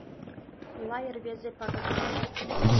Лай рвезе пагытем.